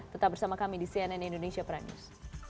tetap bersama kami di cnn indonesia prime news